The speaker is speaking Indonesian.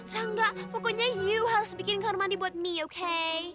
nah enggak pokoknya you harus bikin kamar mandi buat mie oke